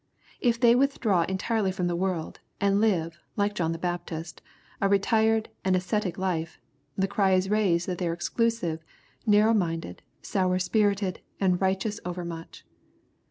If they withdraw entirely from the world, and live, like John the Baptist, a retired and ascetic life, the cry is raised that they are exclusive, narrow minded, sour spirited, and righteous overmuch.